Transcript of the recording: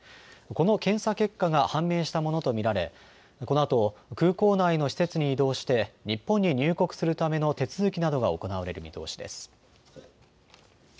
この検査結果が判明したものと見られこのあと空港内の施設に移動して日本に入国するための手続きなどが行われる見通しです。